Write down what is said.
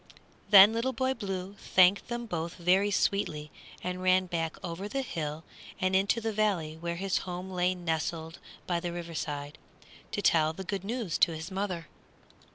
Then Little Boy Blue thanked them both very sweetly and ran back over the hill and into the valley where his home lay nestled by the river side, to tell the good news to his mother.